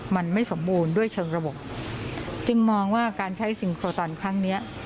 มันไม่สมบูรณ์ด้วยเชิงระบบจึงมองว่าการใช้ซิงโครตอนครั้งนี้